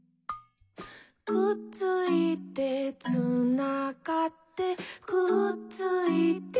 「くっついて」「つながって」「くっついて」